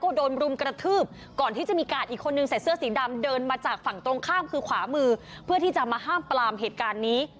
ก็โดนรุมกระทืบก่อนที่จะมีกาดอีกคนนึงใส่เสื้อสีดำเดินมาจากฝั่งตรงข้ามคือขวามือเพื่อที่จะมาห้ามปลามเหตุการณ์นี้